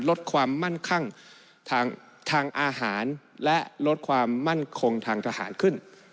ลดความมั่นคั่งทางอาหารและลดความมั่นคงทางทหารขึ้น